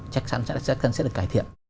chắc chắn sẽ được cải thiện